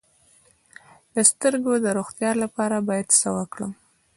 د سترګو د روغتیا لپاره باید څه وکاروم؟